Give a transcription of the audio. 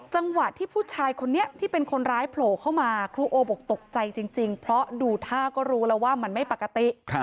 จังหวะที่ผู้ชายคนนี้ที่เป็นคนร้ายโผล่เข้ามาครูโอบอกตกใจจริงเพราะดูท่าก็รู้แล้วว่ามันไม่ปกติ